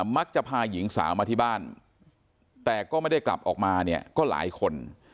มักจะพาหญิงสาวมาที่บ้านแต่ก็ไม่ได้กลับออกมาเนี่ยก็หลายคน